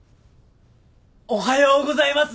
おはようございます！